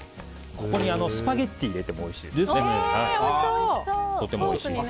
ここにスパゲティを入れてもとてもおいしいです。